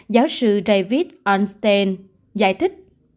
giáo sư david einstein giải thích